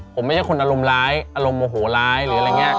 ผมไม่ใช่คนอารมณ์ร้ายอารมณ์โมโหร้ายหรืออะไรอย่างนี้